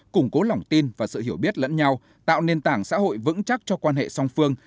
củng cố lỏng tin và sự hiểu biết lẫn nhau tạo nền tảng xã hội vững chắc cho quan hệ song phương